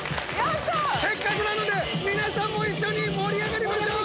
せっかくなので皆さんも一緒に盛り上がりましょう！